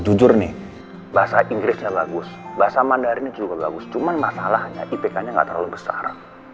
jujur nih bahasa inggrisnya bagus bahasa mandarinnya juga bagus cuman masalahnya ipk nya nggak terlalu besar